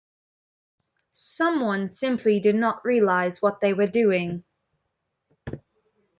Someone simply did not realize what they were doing.